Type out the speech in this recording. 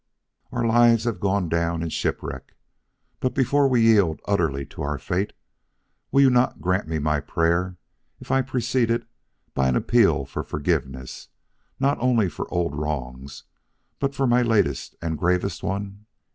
Our lives have gone down in shipwreck; but before we yield utterly to our fate, will you not grant me my prayer if I precede it by an appeal for forgiveness not only for old wrongs but for my latest and gravest one?